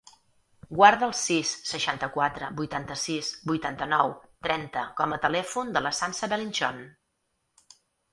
Guarda el sis, seixanta-quatre, vuitanta-sis, vuitanta-nou, trenta com a telèfon de la Sança Belinchon.